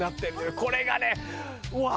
これがねうわー